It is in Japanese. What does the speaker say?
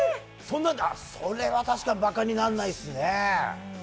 それはバカにならないですね。